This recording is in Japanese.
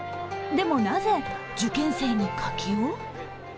でもなぜ、受験生に柿を？